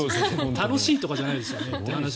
楽しいじゃないですよねって。